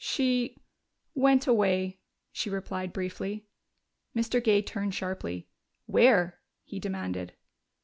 "She went away," she replied briefly. Mr. Gay turned sharply. "Where?" he demanded.